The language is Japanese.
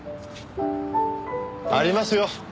ありますよ。